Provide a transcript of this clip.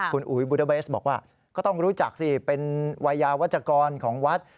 คุณอุ๋ยบูเดอร์เบสบอกว่าก็ต้องรู้จักสิเป็นวัยยาวัชกรของวัด